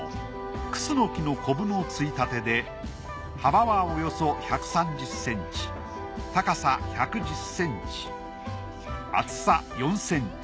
クスノキの瘤の衝立で幅はおよそ１３０ｃｍ高さ１１０ｃｍ厚さ４ｃｍ。